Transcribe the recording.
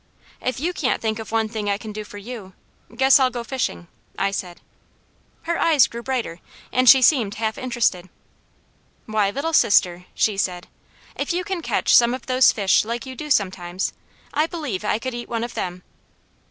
"If you can't think of one thing I can do for you, guess I'll go fishing," I said. Her eyes grew brighter and she seemed half interested. "Why, Little Sister," she said, "if you can catch some of those fish like you do sometimes, I believe I could eat one of them."